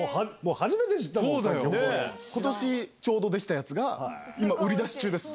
初めて知ったことしちょうど出来たやつが、今、売り出し中です。